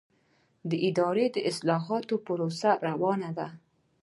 د اداري اصلاحاتو پروسه روانه ده؟